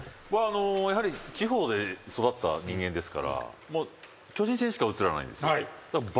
やはり地方で育った人間ですから巨人戦しか映らないんですよ。